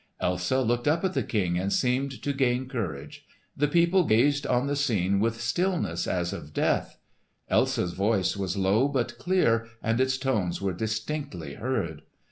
Elsa looked up at the King and seemed to gain courage. The people gazed on the scene with stillness as of death. Elsa's voice was low but clear, and its tones were distinctly heard.